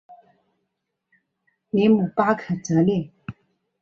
里姆巴克泽勒。